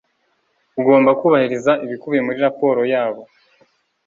Ugomba kubahiriza ibikubiye muri raporo yabo